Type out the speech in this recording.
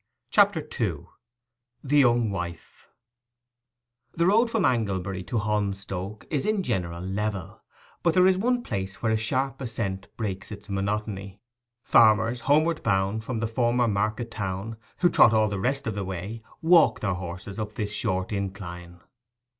CHAPTER II—THE YOUNG WIFE The road from Anglebury to Holmstoke is in general level; but there is one place where a sharp ascent breaks its monotony. Farmers homeward bound from the former market town, who trot all the rest of the way, walk their horses up this short incline.